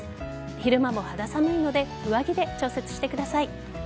昼間も肌寒いので上着で調節してください。